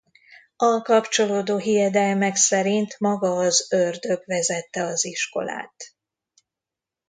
A kapcsolódó hiedelmek szerint maga az Ördög vezette az iskolát.